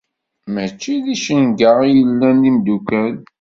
Mačči d icenga i llan d imeddukal.